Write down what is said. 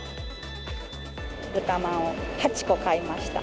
豚まんを８個買いました。